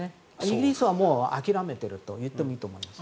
イギリスは諦めていると言ってもいいと思います。